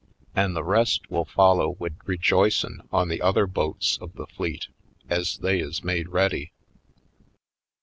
"An' the rest will follow wid rejoicin' on the other boats of the fleet, ez they is made ready."